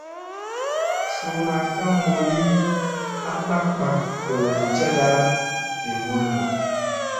Suuna ka mooli a bak bak goo cada vi mulla.